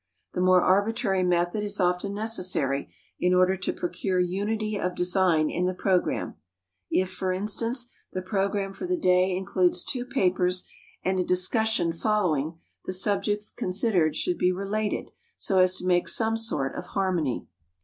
The more arbitrary method is often necessary in order to procure unity of design in the program. If, for instance, the program for the day includes two papers and a discussion following, the subjects considered should be related, so as to make some sort of harmony.